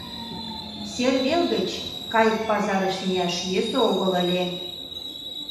Сер вел гыч кайык пазарыш мияш йӧсӧ огыл ыле.